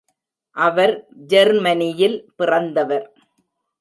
அவர் ஜெர்மனியில் பிறந்தவர்.